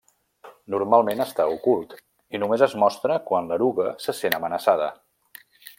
Normalment està ocult i només es mostra quan l'eruga se sent amenaçada.